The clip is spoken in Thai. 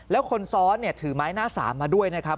แล้วคนซ้อนถือไม้หน้าสามมาด้วยนะครับ